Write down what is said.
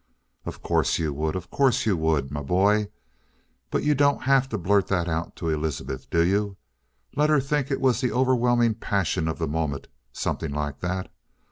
"Of course you would. Of course you would, my boy. But you don't have to blurt that out to Elizabeth, do you? Let her think it was the overwhelming passion of the moment; something like that.